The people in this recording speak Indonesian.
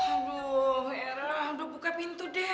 aduh hera udah buka pintu deh